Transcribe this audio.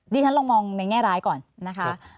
ดิฉันลองมองในแง่ร้ายก่อนนะคะ